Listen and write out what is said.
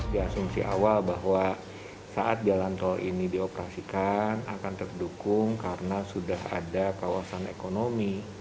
di asumsi awal bahwa saat jalan tol ini dioperasikan akan terdukung karena sudah ada kawasan ekonomi